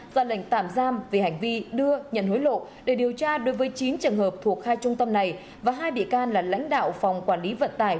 ra lệnh tạm giam về hành vi đưa nhận hối lộ để điều tra đối với chín trường hợp thuộc hai trung tâm này và hai bị can là lãnh đạo phòng quản lý vận tải